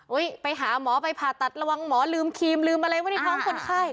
ไปหาหมอไปผ่าตัดระวังหมอลืมครีมลืมอะไรไว้ในท้องคนไข้